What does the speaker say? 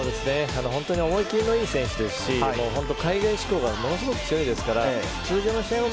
本当に思い切りのいい選手ですし海外志向がものすごく強いですから。